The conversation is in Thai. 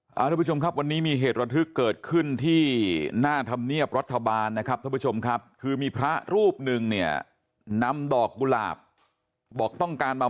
ท่านผู้ชมวันนี้มีเหตุรอดฤทธิ์เกิดขึ้นที่นาธรรมเนียบรัฐบาลคือมีพระรูปหนึ่งนำดอกบุหร่าบบอกต้องการมา